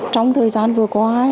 trong thời gian vừa qua